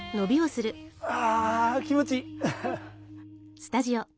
あ気持ちいい。